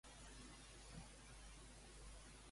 Quina era l'activitat de l'ordre?